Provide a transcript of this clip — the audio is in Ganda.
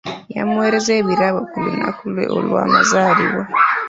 Yamuweereza ebirabo ku lunaku lwe olwamazaalibwa.